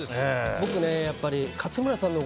僕ねやっぱり。